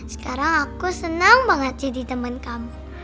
sekarang aku senang banget jadi teman kamu